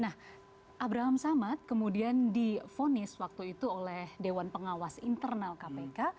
nah abraham samad kemudian difonis waktu itu oleh dewan pengawas internal kpk